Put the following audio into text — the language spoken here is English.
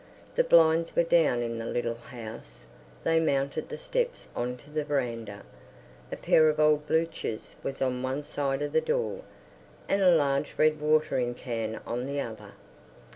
The blinds were down in the little house; they mounted the steps on to the veranda. A pair of old bluchers was on one side of the door, and a large red watering can on the other.